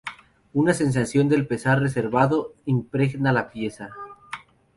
Una sensación del pesar reservado impregna la pieza.